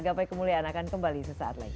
gapai kemuliaan akan kembali sesaat lagi